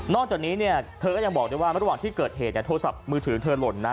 นอกจากนี้เธอก็ยังบอกด้วยว่าระหว่างที่เกิดเหตุโทรศัพท์มือถือทลนนะ